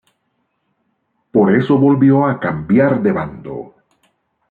Por eso volvió a cambiar de bando.